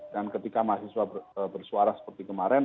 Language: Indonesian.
dan ketika mahasiswa bersuara seperti kemarin